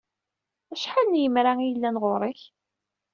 Acḥal n yemra ay yellan ɣur-k?